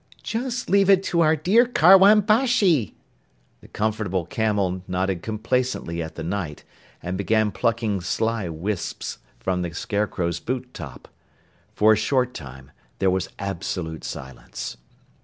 "Just leave it to our dear Karwan Bashi." The Comfortable Camel nodded complacently at the Knight and began plucking sly wisps from the Scarecrow's boot top. For a short time there was absolute silence.